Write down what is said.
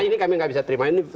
ini kami tidak bisa terima